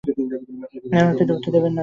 আমাকে ডুবতে দেবেন না, তাই না?